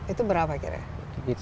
itu berapa kira